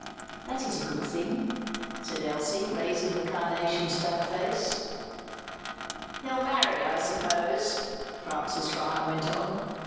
"That is a good thing," said Elsie, raising the carnations to her face. "He'll marry, I suppose," Francis Ryan went on.